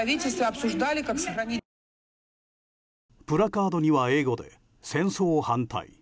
プラカードには英語で戦争反対。